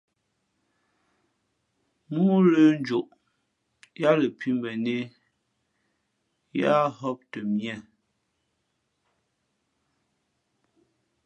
Móó lə̄ njoʼ yāā lα pǐ bα nehē, yáá ghōp tαmīe.